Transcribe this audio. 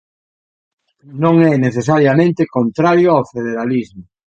Non é necesariamente contrario ao federalismo.